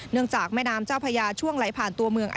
จากแม่น้ำเจ้าพญาช่วงไหลผ่านตัวเมือง